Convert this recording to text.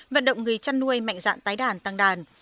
vận động người chăn nuôi mạnh dạn tái đàn tăng đàn